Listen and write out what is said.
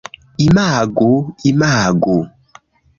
Imagu... imagu...